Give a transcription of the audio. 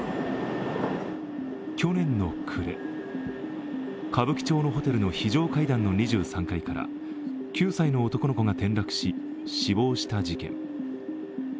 去年の暮れ、歌舞伎町のホテルの非常階段の２３階から９歳の男の子が転落し死亡した事件。